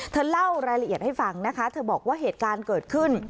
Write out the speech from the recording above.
เล่ารายละเอียดให้ฟังนะคะเธอบอกว่าเหตุการณ์เกิดขึ้น